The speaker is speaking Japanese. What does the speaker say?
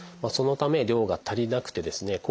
そのため量が足りなくてですね